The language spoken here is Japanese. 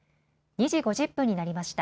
２時５０分になりました。